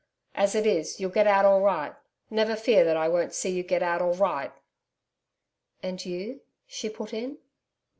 As it is, you'll get out all right Never fear that I won't see you get out all right.' 'And you?' she put in.